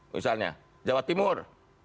misalnya jawa timur